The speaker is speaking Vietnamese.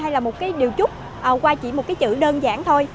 hay là một cái điều chút qua chỉ một cái chữ đơn giản thôi